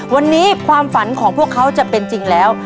วันนี้ความฝันของพวกเขาจะเป็นจริงแล้ว